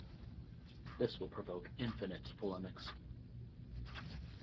This will provoke infinite polemics.